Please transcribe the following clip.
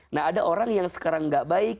nah ada orang yang sekarang gak baik